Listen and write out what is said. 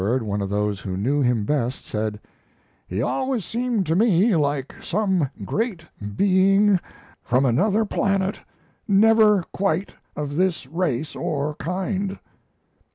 Long, afterward, one of those who knew him best said: "He always seemed to me like some great being from another planet never quite of this race or kind."